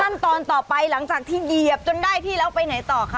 ขั้นตอนต่อไปหลังจากที่เหยียบจนได้ที่แล้วไปไหนต่อคะ